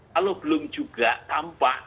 kalau belum juga tampak